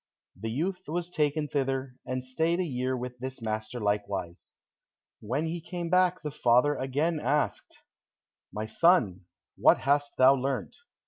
The youth was taken thither, and stayed a year with this master likewise. When he came back the father again asked, "My son, what hast thou learnt?"